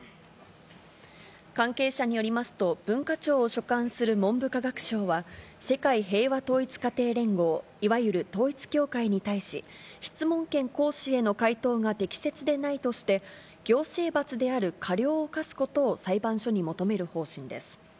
関係者によりますと、文化庁を所管する文部科学省は、世界平和統一家庭連合、いわゆる統一教会に対し、質問権行使への回答が適切でないとして、行政罰である過料を科すことを、裁判所に求める方針です。